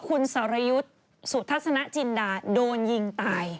คุณสรยุทธ์สุทัศนจินดาโดนยิงตาย